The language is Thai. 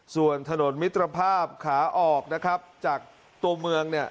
ส่วนถนนมิตรภาพขาออกนะครับจากตัวเมืองเนี่ย